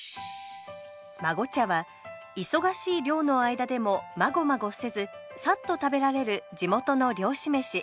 まご茶は忙しい漁の間でもまごまごせずさっと食べられる地元の漁師飯。